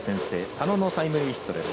佐野のタイムリーヒットです。